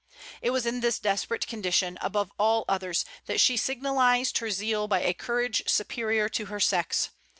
It was in this desperate condition, above all others, that she signalized her zeal by a courage superior to her sex.